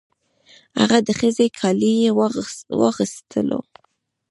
هغه د ښځې کالي یې واغوستل.